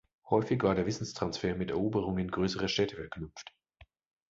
Häufig war der Wissenstransfer mit Eroberungen größerer Städte verknüpft.